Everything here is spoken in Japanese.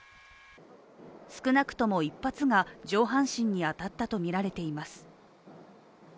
少なくとも１発が上半身に当たったとみられています。